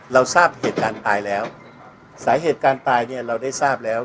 เราทราบเหตุการณ์ตายแล้วสาเหตุการตายเนี่ยเราได้ทราบแล้ว